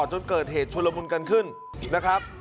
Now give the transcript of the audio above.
จนเกิดเหตุชุลมุนกันขึ้นนะครับ